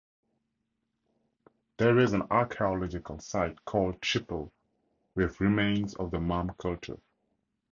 There is an archaeological site called Chipel, with remains of the Mam culture.